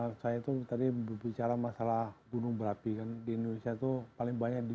hai nah saya tuh tadi berbicara masalah gunung berapi kan di indonesia tuh paling banyak di